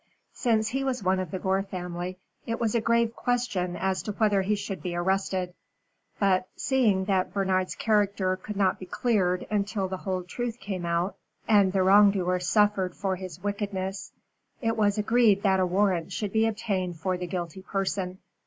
Since he was one of the Gore family, it was a grave question as to whether he should be arrested. But seeing that Bernard's character could not be cleared until the whole truth came out, and the wrongdoer suffered for his wickedness, it was agreed that a warrant should be obtained for the guilty person.